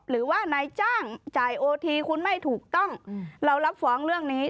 หรือว่านายจ้างจ่ายโอทีคุณไม่ถูกต้องเรารับฟ้องเรื่องนี้